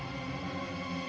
pergi ke sana